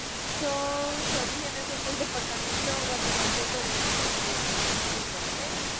Sus orígenes son del departamento guatemalteco de Quetzaltenango.